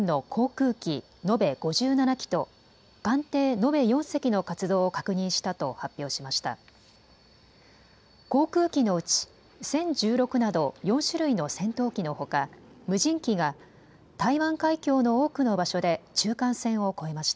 航空機のうち殲１６など４種類の戦闘機のほか、無人機が台湾海峡の多くの場所で中間線を越えました。